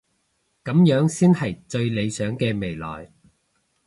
噉樣先係最理想嘅未來